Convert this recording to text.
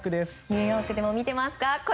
ニューヨークでも見てますか？